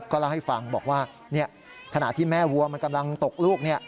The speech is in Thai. เล่าให้ฟังบอกว่าขณะที่แม่วัวมันกำลังตกลูก